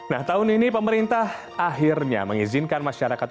nah tahun ini pemerintah akhirnya mengizinkan masyarakat